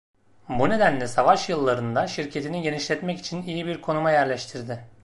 Bu nedenle savaş yıllarında şirketini genişletmek için iyi bir konuma yerleştirildi.